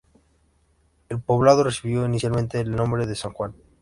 El poblado recibió inicialmente el nombre de San Juan.